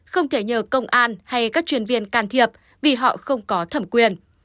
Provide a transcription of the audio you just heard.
không thể nhờ công an hay các chuyên viên can thiệp vì họ không có thẩm quyền